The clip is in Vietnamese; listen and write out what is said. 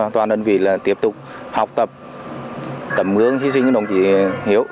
toàn đơn vị là tiếp tục học tập tầm hương hy sinh của đồng chí hiếu